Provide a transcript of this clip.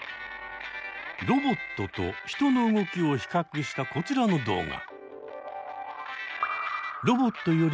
ロボットと人の動きを比較したこちらの動画。